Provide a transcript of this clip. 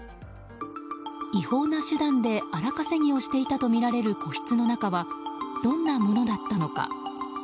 違法な手段で荒稼ぎをしていたとみられる個室の中はどんなものだったのか。